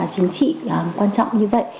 chính trị quan trọng như vậy